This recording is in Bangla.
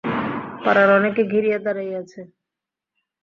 পাড়ার অনেকে ঘিরিয়া দাঁড়াইয়া আছে।